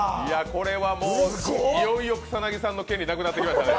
これはいよいよ草薙さんの権利なくなってきましたね。